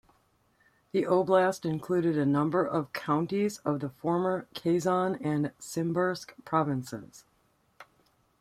The oblast included a number of counties of the former Kazan and Simbirsk provinces.